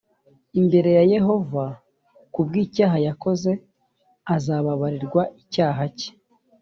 imbere ya yehova ku bw’icyaha yakoze azababarirwa icyaha cye